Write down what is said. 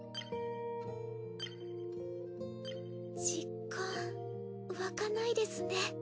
実感わかないですね